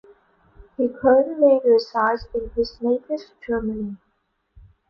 He currently resides in his native Germany.